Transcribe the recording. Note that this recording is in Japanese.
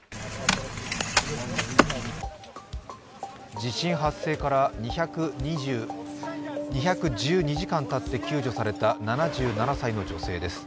地震発生から２１２時間たって救助された７７歳の女性です。